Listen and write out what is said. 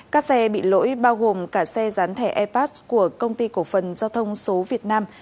các xe bị lỗi bao gồm cả xe dán thẻ e pass của công ty cổ phần giao thông số việt nam vdtc